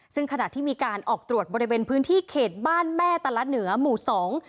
ซึ่งขณะที่มีการออกตรวจบริเวณพื้นที่เขตบ้านแม่แต่ละเหนือหมู่สอง